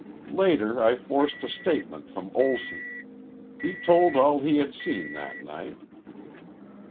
Later I forced a statement from Olson. He told all he had seen that night."